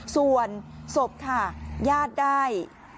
ส่วนศพค่ะญาติได้